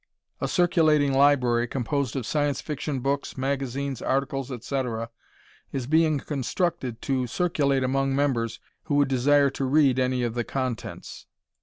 A circulating library, composed of Science Fiction books, magazines, articles, etc., is being constructed to circulate among members who desire to read any of the contents.